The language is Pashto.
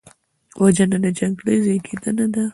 وژنه د جګړې زیږنده ده